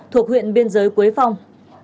thuộc huyện biên giới quế phong